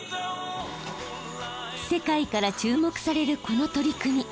世界から注目されるこの取り組み。